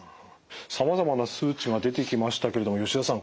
さまざまな数値が出てきましたけれども吉田さん